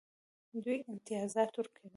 دوی امتیازات ورکوي.